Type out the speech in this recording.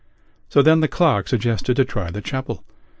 So then the clerk suggested to try the chapel.